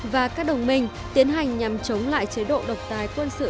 và các đồng minh tiến hành nhằm chống lại chế độ độc tài quân sự